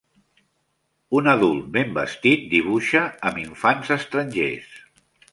Un adult ben vestit dibuixa amb infants estrangers.